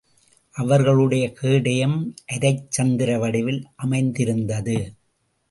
அவர்களுடைய கேடயம் அரைச் சந்திர வடிவில் அமைந்திருந்தது.